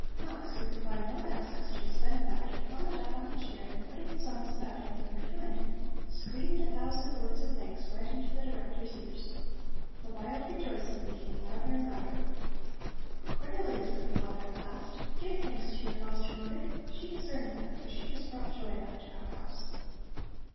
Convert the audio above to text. Mux, who could find no access to his benefactor, climbed up on a chair, and putting his arms about him from behind, screamed a thousand words of thanks right into the Director's ears. The wild rejoicing became louder and louder. "Cornelli," said the father at last, "give thanks to your foster mother! She has earned them, for she has brought joy back to our house."